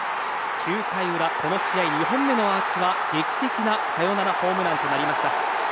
９回の裏この試合２本目のアーチは劇的なサヨナラホームランとなりました。